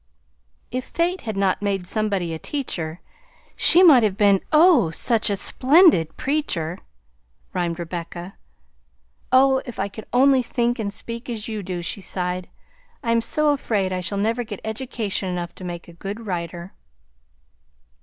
"If Fate had not made somebody a teacher, She might have been, oh! such a splendid preacher!" rhymed Rebecca. "Oh! if I could only think and speak as you do!" she sighed. "I am so afraid I shall never get education enough to make a good writer."